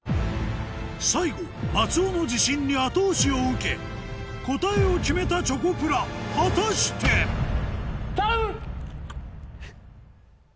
最後松尾の自信に後押しを受け答えを決めたチョコプラ果たして⁉頼む！